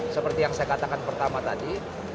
seperti yang saya katakan pertama tadi